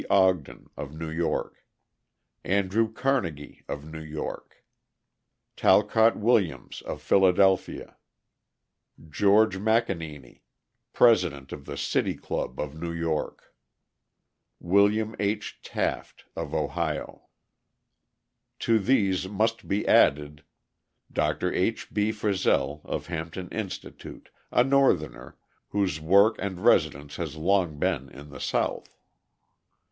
Ogden, of New York. Andrew Carnegie, of New York. Talcott Williams, of Philadelphia. George McAneny, president of the City Club of New York. William H. Taft, of Ohio. To these must be added: Dr. H. B. Frissell, of Hampton Institute, a Northerner, whose work and residence has long been in the South.